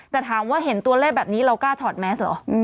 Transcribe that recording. แต่ถามว่าเห็นตัวเลขแบบนี้เรากล้าถอดแมสเหรอ